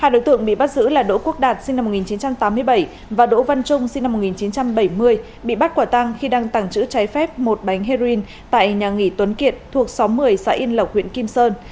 hai đối tượng bị bắt giữ là đỗ quốc đạt sinh năm một nghìn chín trăm tám mươi bảy và đỗ văn trung sinh năm một nghìn chín trăm bảy mươi bị bắt quả tăng khi đang tàng trữ trái phép một bánh heroin tại nhà nghỉ tuấn kiệt thuộc xóm một mươi xã yên lộc huyện kim sơn